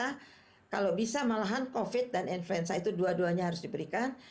kalau belum bisa kalau bisa malahan covid sembilan belas dan influenza itu dua duanya harus diberikan